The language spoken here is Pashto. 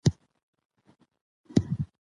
پښتو د کلتوري غورزی اصولو بڼه ده.